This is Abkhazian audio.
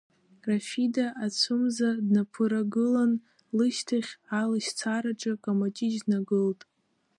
Рафида ацәымза днаԥырагылан, лышьҭахь алашьцараҿы Камаҷыҷ днагылт.